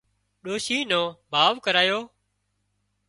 ڏوشي نو ڀاوَ ڪريو